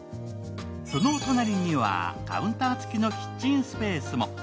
そのお隣にはカウンター付きのキッチンスペースも。